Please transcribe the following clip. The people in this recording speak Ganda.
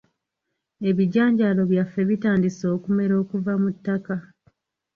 Ebijanjaalo byaffe bitandise okumera okuva mu ttaka.